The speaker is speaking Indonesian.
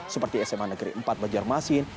seperti sma negeri empat banjarmasin